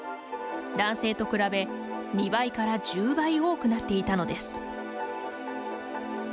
男性と比べ、２倍から１０倍多くなっていたのです。